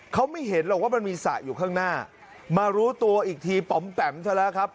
เขาไม่เห็นหรอกว่ามันมีสระอยู่ข้างหน้ามารู้ตัวอีกทีป๋อมแปมซะแล้วครับ